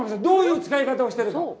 どういう使い方をしているか。